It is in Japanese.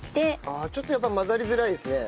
ああちょっとやっぱ混ざりづらいですね。